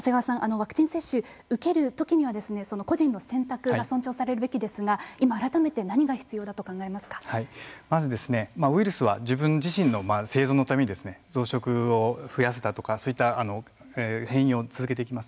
ワクチン接種受けるときにはその個人の選択が尊重されるべきですが今改めて何が必要だとまずウイルスは自分自身の生存のために増殖を増やすだとかそういった変異を続けていきます。